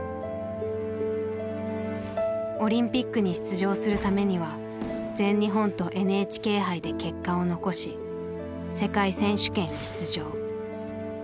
オリンピックに出場するためには全日本とＮＨＫ杯で結果を残し世界選手権に出場。